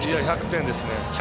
１００点ですね。